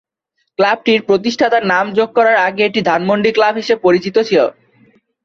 ক্লাবটির প্রতিষ্ঠাতার নাম যোগ করার আগে এটি ধানমন্ডি ক্লাব হিসেবে পরিচিত ছিল।